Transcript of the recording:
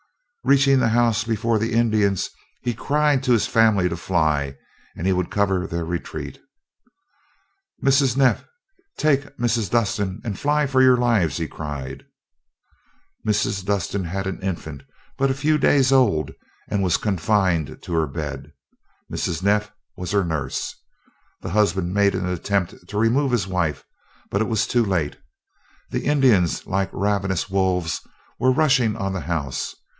Reaching the house before the Indians, he cried to his family to fly, and he would cover their retreat. "Mrs. Neff, take Mrs. Dustin and fly for your lives," he cried. Mrs. Dustin had an infant, but a few days old, and was confined to her bed. Mrs. Neff was her nurse. The husband made an attempt to remove his wife; but it was too late. The Indians, like ravenous wolves, were rushing on the house.